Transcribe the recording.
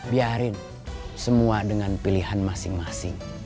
biarin semua dengan pilihan masing masing